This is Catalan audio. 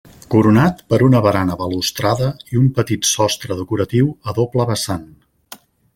Coronat per una barana balustrada i un petit sostre decoratiu a doble vessant.